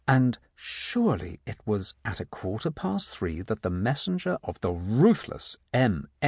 And surely it was at a quarter past three that the messenger of the ruth less M.